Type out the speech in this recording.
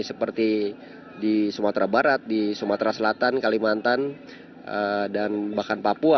seperti di sumatera barat di sumatera selatan kalimantan dan bahkan papua